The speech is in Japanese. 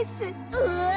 うわ。